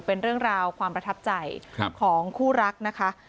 เป็นเรื่องราวความประทับใจของคู่รักนะคะ